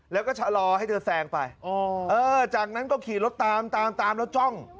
แล้วก็ชะลอให้เธอแซงไปจากนั้นก็ขี่รถตามตามแล้วจ้อง